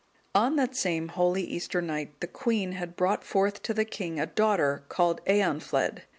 On that same holy Easter night, the queen had brought forth to the king a daughter, called Eanfled.